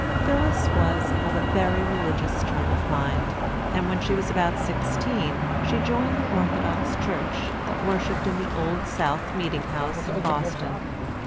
Phillis was of a very religious turn of mind, and when she was about sixteen she joined the Orthodox Church, that worshipped in the Old South Meeting house in Boston.